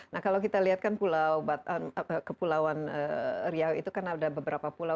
nah kalau kita lihat kan pulau kepulauan riau itu kan ada beberapa pulau